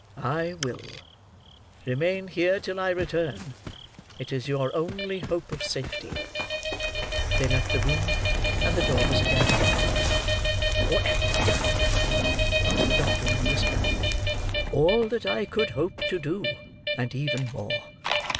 "I will. Remain here till I return. It is your only hope of safety." They left the room, and the door was again locked. "What have you done?" asked the doctor in a whisper. "All that I could hope to do, and even more.